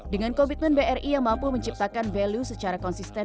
dengan komitmen bri yang mampu menciptakan value secara konsisten